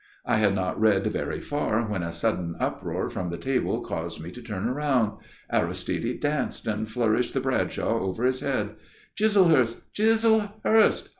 I had not read very far when a sudden uproar from the table caused me to turn round. Aristide danced and flourished the Bradshaw over his head. "Chislehurst! Chislehurst!